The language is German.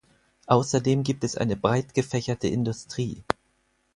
Außerdem gibt es eine breitgefächerte Industrie.